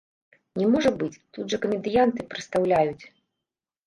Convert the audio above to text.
Не можа быць, тут жа камедыянты прыстаўляюць.